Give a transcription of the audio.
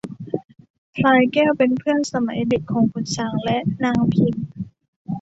พลายแก้วเป็นเพื่อนสมัยเด็กของขุนช้างและนางพิม